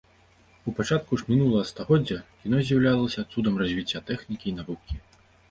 У пачатку ж мінулага стагоддзя кіно з'яўлялася цудам развіцця тэхнікі і навукі.